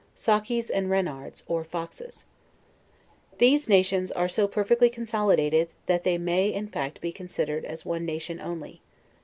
SAUKIES AND RENARDS, OR FOXES. These nations are so perfectly consolidated, that they may, in fact, be considered as one nation only.